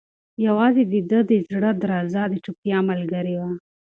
یوازې د ده د زړه درزا د چوپتیا ملګرې وه.